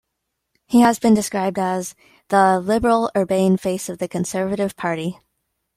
He has been described as the 'liberal, urbane face of the Conservative Party'.